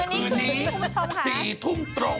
คืนนี้คุณผู้ชมครับ